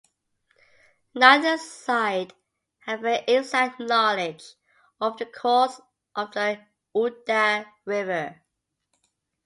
Neither side had very exact knowledge of the course of the Uda River.